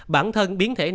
bản thân biến thể omicron